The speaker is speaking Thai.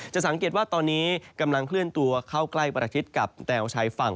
สังเกตว่าตอนนี้กำลังเคลื่อนตัวเข้าใกล้ประชิดกับแนวชายฝั่ง